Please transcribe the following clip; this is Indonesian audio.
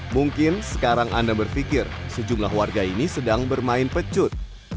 mungkin sekarang anda berpikir sejumlah warga ini sedang bermain pecut